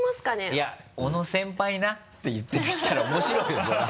いや「小野先輩な」って言ってきたら面白いよそれは。